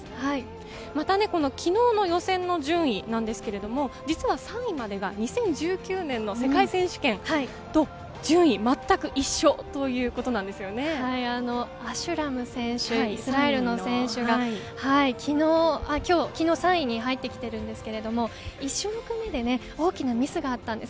また昨日の予選の順位ですけれど、実は３位までが２０１９年の世界選手権と順位はまったく一アシュラム選手、３位の選手が昨日、３位に入ってきているんですけれど１種目目で大きなミスがあったんです。